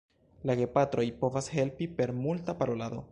La gepatroj povas helpi per multa parolado.